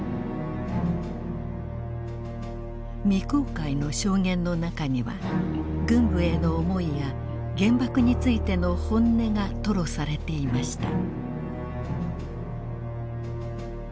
未公開の証言の中には軍部への思いや原爆についての本音が吐露されていました。